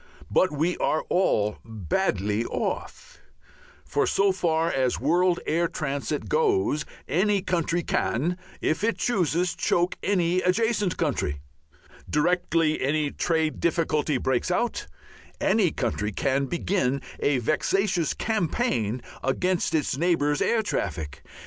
But we are all badly off. So far as world air transit goes any country can, if it chooses, choke any adjacent country. Directly any trade difficulty breaks out, any country can begin a vexatious campaign against its neighbour's air traffic.